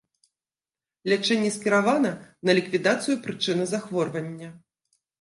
Лячэнне скіравана на ліквідацыю прычыны захворвання.